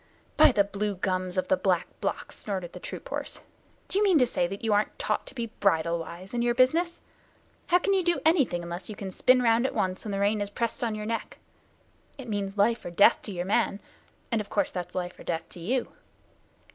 "By the Blue Gums of the Back Blocks," snorted the troop horse, "do you mean to say that you aren't taught to be bridle wise in your business? How can you do anything, unless you can spin round at once when the rein is pressed on your neck? It means life or death to your man, and of course that's life and death to you.